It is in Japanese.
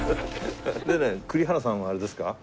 でね栗原さんはあれですか？